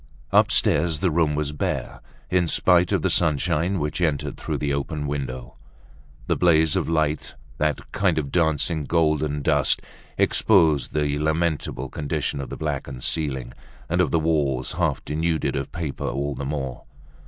Upstairs the room was bare, in spite of the sunshine which entered through the open window. That blaze of light, that kind of dancing golden dust, exposed the lamentable condition of the blackened ceiling, and of the walls half denuded of paper, all the more.